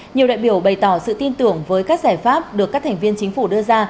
nhiều đại biểu bày tỏ sự tin tưởng với các giải pháp được các thành viên chính phủ đưa ra